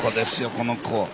この子。